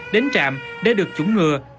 đến trạm để được chủng ngừa